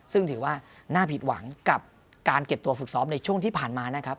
ซึ่งถือว่าน่าผิดหวังกับการเก็บตัวฝึกซ้อมในช่วงที่ผ่านมานะครับ